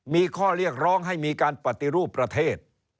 มีข้อเรียกร้องให้มีการปฏิรูปประเทศ